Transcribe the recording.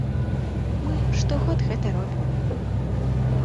Мы штогод гэта робім.